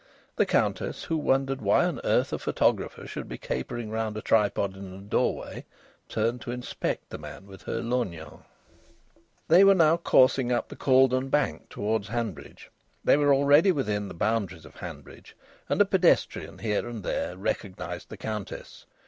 The Countess, who wondered why on earth a photographer should be capering round a tripod in a doorway, turned to inspect the man with her lorgnon. They were now coursing up the Cauldon Bank towards Hanbridge. They were already within the boundaries of Hanbridge, and a pedestrian here and there recognised the Countess.